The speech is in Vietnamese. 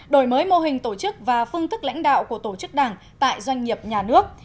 đổi mới mô hình tổ chức và phương thức lãnh đạo của tổ chức đảng tại doanh nghiệp nhà nước